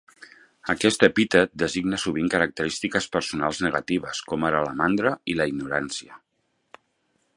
Aquest epítet designa sovint característiques personals negatives, com ara la mandra i la ignorància.